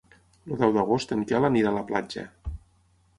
El deu d'agost en Quel anirà a la platja.